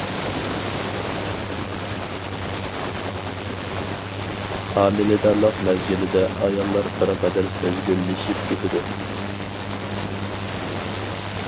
ھامىلىدارلىق مەزگىلىدە ئاياللار بىر قەدەر سەزگۈرلىشىپ كېتىدۇ.